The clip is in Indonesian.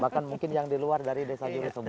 bahkan mungkin yang di luar dari desa juri sobrang